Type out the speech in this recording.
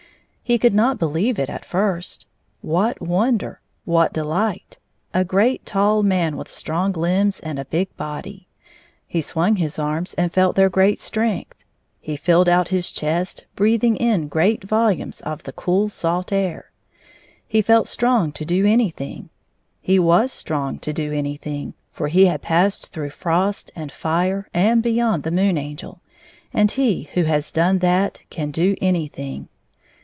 He could not believe it at first. What wonder ! What delight! — a great tall man with strong limbs and a big body. He swung his arms and felt their strength ; he filled out his chest, breathing in great volumes of the cool, salt air. He felt strong to do anything. He was strong to do anything, for he had passed through irost and fire and beyond the Moon Angel, and he who has done that can do anything.